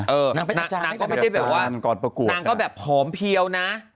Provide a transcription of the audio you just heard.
นางก็ไม่ได้แบบว่านางก็แบบผอมเพียวนะ